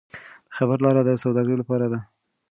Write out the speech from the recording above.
د خیبر لاره د سوداګرۍ لپاره ده.